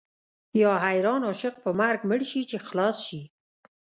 یا حیران عاشق په مرګ مړ شي چې خلاص شي.